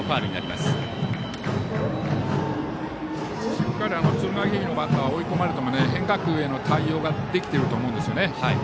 しっかり敦賀気比のバッターは追い込まれても変化球への対応ができてると思うんですよね。